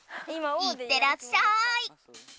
いってらっしゃい！